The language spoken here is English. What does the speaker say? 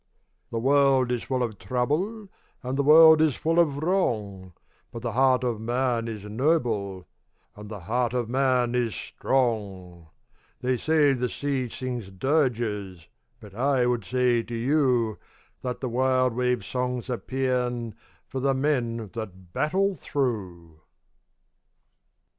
The world is full of trouble, And the world is full of wrong, But the heart of man is noble, And the heart of man is strong! They say the sea sings dirges, But I would say to you That the wild wave's song's a paean For the men that battle through.